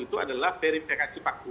itu adalah verifikasi paktual